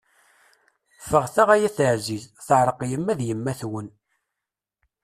Ffɣet-aɣ ay At ɛziz, teɛṛeq yemma d yemmat-wen!